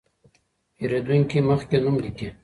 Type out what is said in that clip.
پېرېدونکي مخکې نوم لیکي.